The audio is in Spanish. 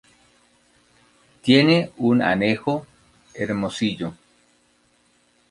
Tiene un anejo: Hermosillo.